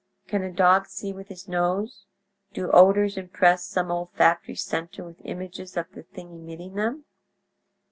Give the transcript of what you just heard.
"Can a dog see with his nose? Do odors impress some olfactory centre with images of the thing emitting them?